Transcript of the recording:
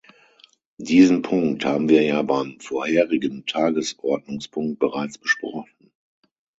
Diesen Punkt haben wir ja beim vorherigen Tagesordnungspunkt bereits besprochen.